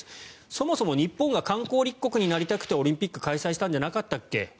そもそも日本が観光立国になりたくてオリンピックを開催したんじゃなかったっけ？